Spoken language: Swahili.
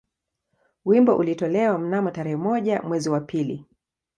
Wimbo ulitolewa mnamo tarehe moja mwezi wa pili